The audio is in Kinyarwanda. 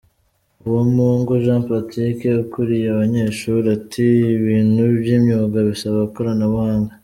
Uwamungu Jean Patrick, ukuriye abanyeshuri, ati «Ibintu by’imyuga bisaba ikoranabuhanga.